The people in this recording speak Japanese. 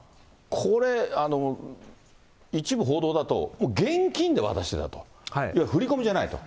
これ、一部報道だと現金で渡してたと、要は振り込みじゃないと。